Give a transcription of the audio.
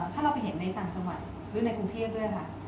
ถ้าเราไปเห็นในต่างจังหวัดหรือในกรุงเทพด้วยค่ะ